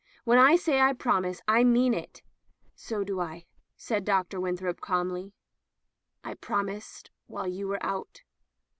When I say I promise, I mean it." "So do I," said Dr. Winthrop, calmly. "I promised while you were out.